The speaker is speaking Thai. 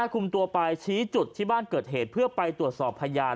คุมตัวไปชี้จุดที่บ้านเกิดเหตุเพื่อไปตรวจสอบพยาน